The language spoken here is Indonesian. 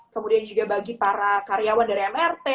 kemudian juga bagi para karyawan dari mrt